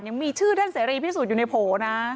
ยังมีชื่อท่านเสรีพิสูจนอยู่ในโผล่นะ